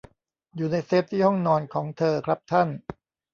อยู่ในเซฟที่ห้องนอนของเธอ ครับท่าน